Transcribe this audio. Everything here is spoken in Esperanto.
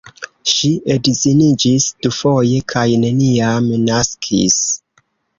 Ŝi edziniĝis dufoje kaj neniam naskis.